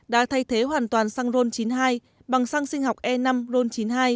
đã thay thế hoàn toàn xăng ron chín mươi hai bằng xăng sinh học e năm ron chín mươi hai